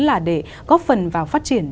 là để góp phần vào phát triển